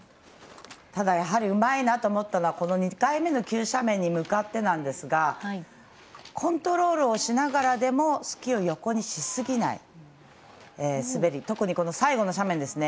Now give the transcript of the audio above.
ただ、やはりうまいなと思ったのは２回目の急斜面に向かってなんですがコントロールをしながらでもスキーを横にしすぎない滑り、特に最後の斜面。